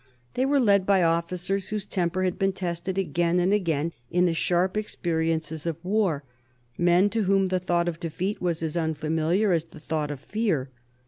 They were led by officers whose temper had been tested again and again in the sharp experiences of war, men to whom the thought of defeat was as unfamiliar as the thought of fear.